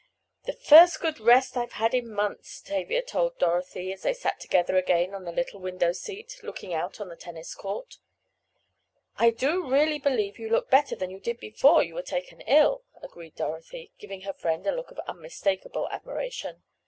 "The first good rest I've had in months," Tavia told Dorothy, as they sat together again on the little window seat, looking out on the tennis court. "I do really believe you look better than you did before you were taken ill," agreed Dorothy, giving her friend a look of unmistakable admiration.